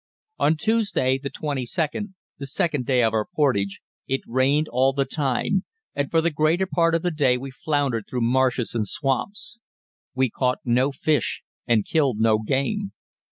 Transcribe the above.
On Tuesday, the 22d, the second day of our portage, it rained all the time, and for the greater part of the day we floundered through marshes and swamps. We caught no fish and killed no game.